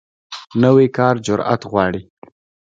نوی کار جرئت غواړي